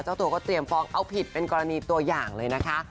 เจ้าตัวก็เตรียมฟ้องเอาผิดเป็นกรณีตัวอย่างเลยนะคะ